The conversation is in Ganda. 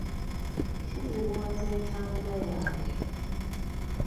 Kizibuwazza entambula yaabwe.